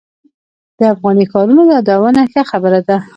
د افغاني ښارونو یادول ښه خبره ده.